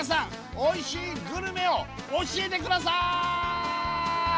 おいしいグルメを教えてくださーい！